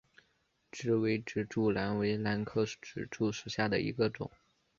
雉尾指柱兰为兰科指柱兰属下的一个种。